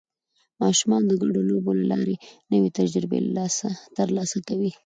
ماشومان د ګډو لوبو له لارې نوې تجربې ترلاسه کوي